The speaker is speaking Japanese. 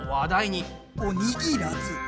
おにぎらず。